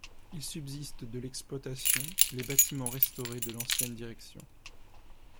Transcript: Il subsiste de l'exploitation, les bâtiments restaurés de l'ancienne direction.